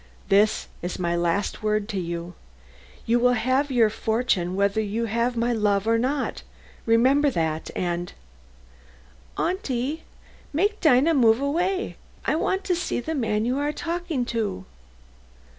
"This is my last word to you. You will have your fortune, whether you have my love or not. Remember that, and " "Auntie, make Dinah move away; I want to see the man you are talking to."